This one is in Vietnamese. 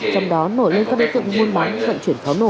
trong đó nổi lên các đối tượng buôn bán vận chuyển pháo nổ